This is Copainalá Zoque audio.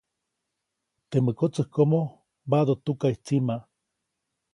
Temä kotsäjkomo mbaʼduʼt tukaʼy tsima.